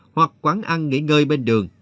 hoặc quán ăn nghỉ ngơi bên đường